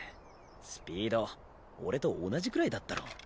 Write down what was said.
スピード俺と同じくらいだったろ。